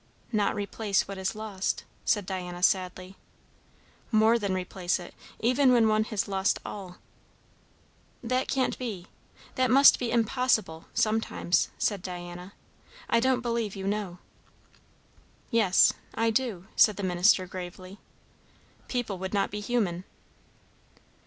"Not replace what is lost," said Diana sadly. "More than replace it, even when one has lost all." "That can't be! that must be impossible, sometimes," said Diana. "I don't believe you know." "Yes, I do," said the minister gravely. "People would not be human."